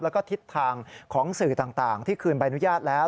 แล้วก็ทิศทางของสื่อต่างที่คืนใบอนุญาตแล้ว